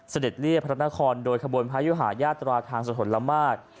เสด็จเรียบพระนครโดยขบวนพระยุหายาตราทางสถนละมาตร